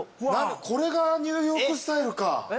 これがニューヨークスタイルか。